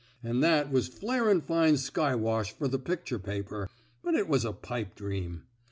An' that was flarin' fine skywash fer the picture paper, but it was a pipe dream.